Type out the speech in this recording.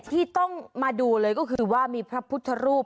ที่ต้องมาดูเลยก็คือว่ามีพระพุทธรูป